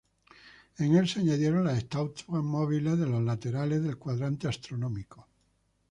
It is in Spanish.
En el se añadieron las estatuas móviles de los laterales del cuadrante astronómico.